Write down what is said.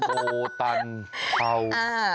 โบตันเทา